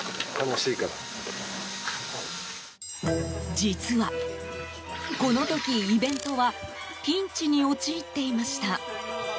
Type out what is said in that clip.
実はこの時、イベントはピンチに陥っていました。